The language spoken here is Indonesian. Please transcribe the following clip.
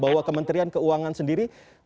bahwa kementerian keuangan sendiri